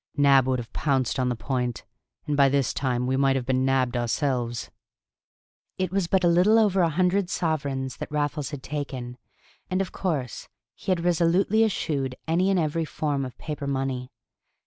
Nab would have pounced on the point, and by this time we might have been nabbed ourselves." It was but a little over a hundred sovereigns that Raffles had taken, and, of course, he had resolutely eschewed any and every form of paper money.